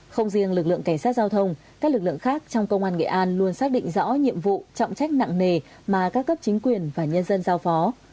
không riêng lực lượng cảnh sát giao thông các lực lượng khác trong công an nghệ an luôn xác định rõ nhiệm vụ trọng trách nặng nề mà các cấp chính quyền và nhân dân giao phó